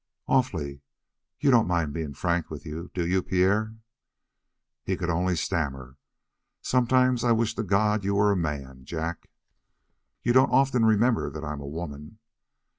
"Awfully. You don't mind me being frank, do you, Pierre?" He could only stammer: "Sometimes I wish to God you were a man, Jack!" "You don't often remember that I'm a woman."